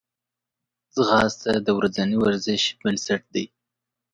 ځغاسته د ورځني ورزش بنسټ دی